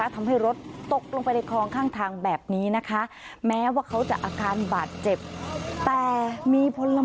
ทำให้รถตกลงไปในคลองข้างทางแบบนี้